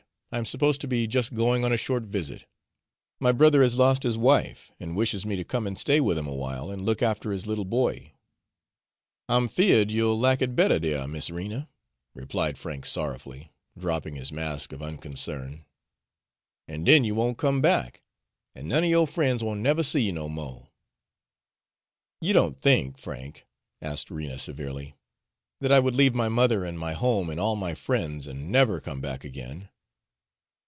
I'm supposed to be just going on a short visit. My brother has lost his wife, and wishes me to come and stay with him awhile, and look after his little boy." "I'm feared you'll lack it better dere, Miss Rena," replied Frank sorrowfully, dropping his mask of unconcern, "an' den you won't come back, an' none er yo' frien's won't never see you no mo'." "You don't think, Frank," asked Rena severely, "that I would leave my mother and my home and all my friends, and NEVER come back again?"